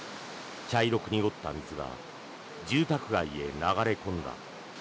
茶色く濁った水が住宅街へ流れ込んだ。